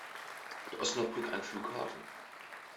Hat Osnabrück einen Flughafen?